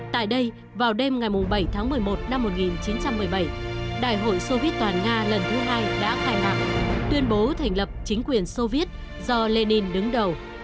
tại đây vào đêm ngày bảy tháng một mươi một năm một nghìn chín trăm một mươi bảy đại hội soviet toàn nga lần thứ hai đã khai mạc tuyên bố thành lập chính quyền soviet do lenin đứng đầu